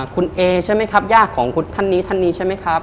คุณเอใช่ไหมครับญาติของคุณท่านนี้ท่านนี้ใช่ไหมครับ